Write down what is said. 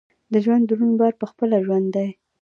د ژوند دروند بار پخپله ژوند دی.